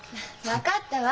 分かったわ。